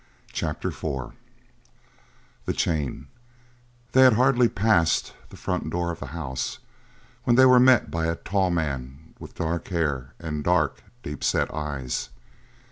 CHAPTER IV THE CHAIN They had hardly passed the front door of the house when they were met by a tall man with dark hair and dark, deep set eyes.